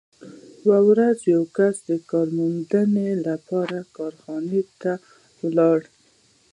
یوه ورځ یو کس د کار موندنې لپاره کارخانې ته ولاړ